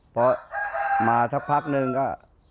เพราะมาทักพักหนึ่งก็